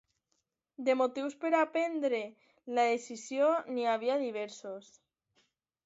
De motius per a prendre la decisió n’hi havia diversos.